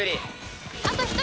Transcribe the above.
あと１人。